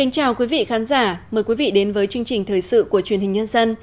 chào mừng quý vị đến với chương trình thời sự của truyền hình nhân dân